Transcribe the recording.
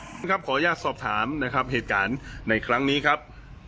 คุณผู้ชมครับขออนุญาตสอบถามนะครับเหตุการณ์ในครั้งนี้ครับ